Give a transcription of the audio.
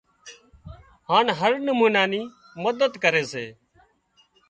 هانَ هر نمونا نِي مدد ڪري سي